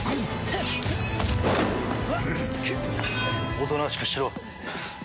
おとなしくしろ。